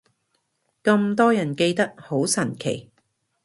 咁多人記得，好神奇